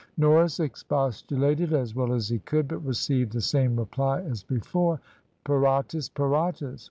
Norris expostulated as well as he could, but received the same reply as before, "Piratas! piratas!"